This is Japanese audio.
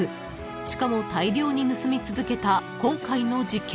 しかも大量に盗み続けた今回の事件］